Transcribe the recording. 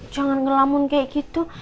jangan ngelamun kayak gitu